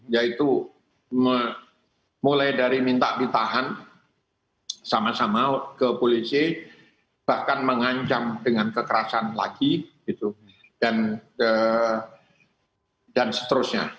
yaitu mulai dari minta ditahan sama sama ke polisi bahkan mengancam dengan kekerasan lagi dan seterusnya